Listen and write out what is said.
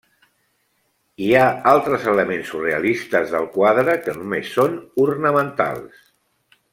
Hi ha altres elements surrealistes del quadre que només són ornamentals.